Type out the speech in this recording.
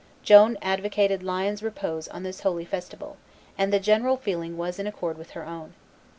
Joan advocated lions repose on this holy festival, and the general feeling was in accord with her own.